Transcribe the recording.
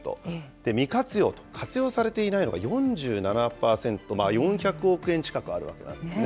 未活用と、活用されていないのが４７％、４００億円近くあるわけなんですね。